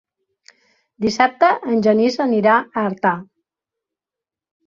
Dissabte en Genís anirà a Artà.